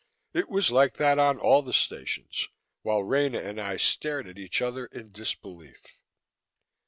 It was like that on all the stations, while Rena and I stared at each other in disbelief.